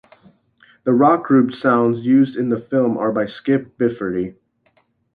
The rock group sounds used in the film are by Skip Bifferty.